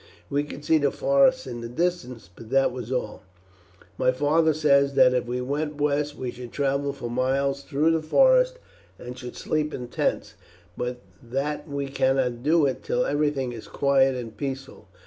We could see the forests in the distance, but that was all. My father says, that if we went west, we should travel for miles through the forest and should sleep in tents, but that we cannot do it till everything is quiet and peaceful.